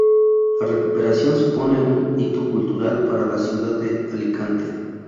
La recuperación supone un hito cultural para la ciudad de Alicante.